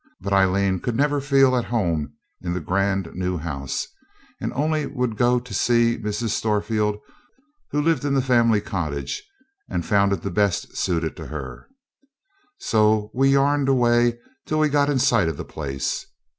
But Aileen never could feel at home in the grand new house now, and only would go to see old Mrs. Storefield, who still lived in the family cottage, and found it the best suited to her. So we yarned away till we got in sight of the place.